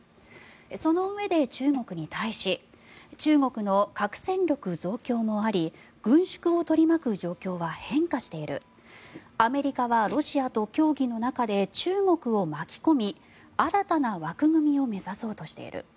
そのうえで中国に対し中国の核戦力増強もあり軍縮を取り巻く状況は変化しているアメリカはロシアと協議の中で中国を巻き込み、新たな枠組みを目指そうとしている。